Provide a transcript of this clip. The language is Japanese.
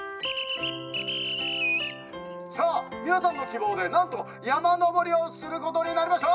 さあみなさんのきぼうでなんとやまのぼりをすることになりました！